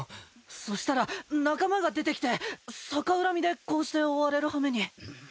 そしたら仲間が出てきて逆恨みでこうして追われる羽目に。